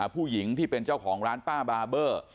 ผู้หญิงที่เป็นเจ้าของร้านป้าบาเบอร์